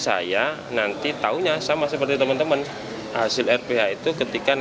apa putusan di bagian akhir itu kan